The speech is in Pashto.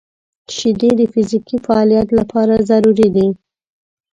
• شیدې د فزیکي فعالیت لپاره ضروري دي.